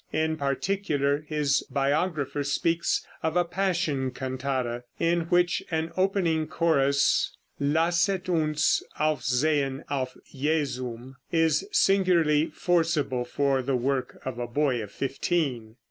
In particular his biographer speaks of a Passion cantata, in which an opening chorus, "Lasset uns aufsehen auf Jesum," is singularly forcible for the work of a boy of fifteen.